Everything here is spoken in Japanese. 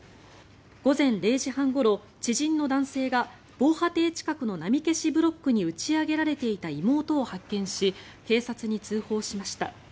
午前０時半ごろ、知人の男性が防波堤近くの波消しブロックに打ち上げられていた妹を発見し警察に通報しました。